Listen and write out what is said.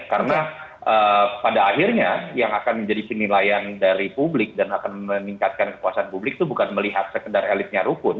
karena pada akhirnya yang akan menjadi penilaian dari publik dan akan meningkatkan kekuasaan publik itu bukan melihat sekedar elitnya rukun